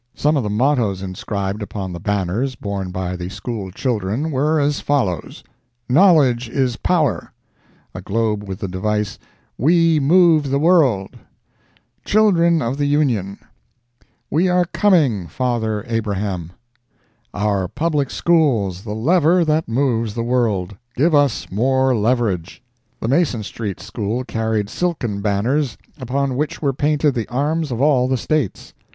Some of the mottoes inscribed upon the banners borne by the School children were as follows: "Knowledge is Power;" a globe, with the device, "We move the World;" "Children of the Union;" "We are Coming, Father Abraham;" "Our Public Schools, the Lever that moves the World—Give us more Leverage!" The Mason Street School carried silken banners, upon which were painted the arms of all the States.